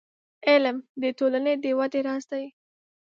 • علم، د ټولنې د ودې راز دی.